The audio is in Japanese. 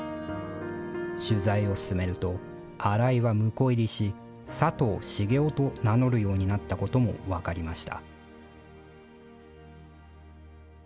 取材を進めると、新井は婿入りし、佐藤茂雄と名乗るようになったことも分かりました。